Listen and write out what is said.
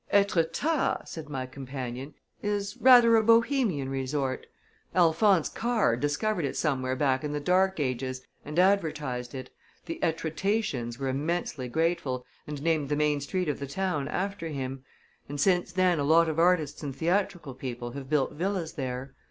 "Etretat," said my companion, "is rather a bohemian resort. Alphonse Karr discovered it somewhere back in the dark ages, and advertised it the Etretatians were immensely grateful, and named the main street of the town after him and since then a lot of artists and theatrical people have built villas there.